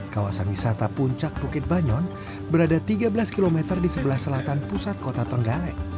kawasan wisata puncak bukit banyon berada tiga belas km di sebelah selatan pusat kota trenggalek